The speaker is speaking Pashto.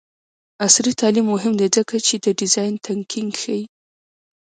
عصري تعلیم مهم دی ځکه چې د ډیزاین تنکینګ ښيي.